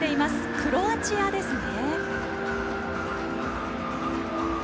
クロアチアですね。